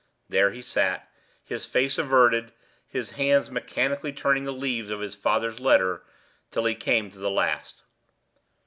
There he sat, his face averted, his hands mechanically turning the leaves of his father's letter till he came to the last.